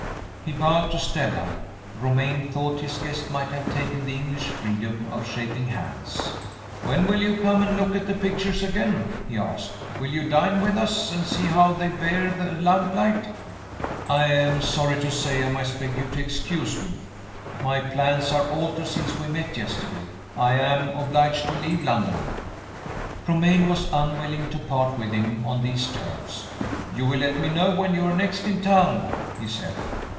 He bowed to Stella. Romayne thought his guest might have taken the English freedom of shaking hands. "When will you come and look at the pictures again?" he asked. "Will you dine with us, and see how they bear the lamplight?" "I am sorry to say I must beg you to excuse me. My plans are altered since we met yesterday. I am obliged to leave London." Romayne was unwilling to part with him on these terms. "You will let me know when you are next in town?" he said.